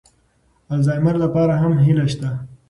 الزایمر لپاره هم هیله شته.